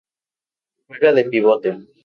Juega de Pivote.